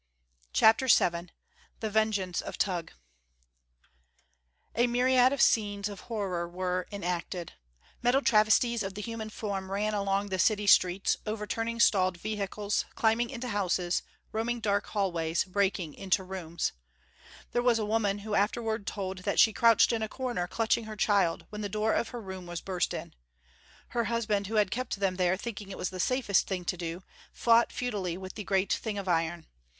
CHAPTER VII The Vengeance of Tugh A myriad individual scenes of horror were enacted. Metal travesties of the human form ran along the city streets, overturning stalled vehicles, climbing into houses, roaming dark hallways, breaking into rooms. There was a woman who afterward told that she crouched in a corner, clutching her child, when the door of her room was burst in. Her husband, who had kept them there thinking it was the safest thing to do, fought futilely with the great thing of iron.